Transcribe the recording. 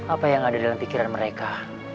apa yang ada dalam pikiran mereka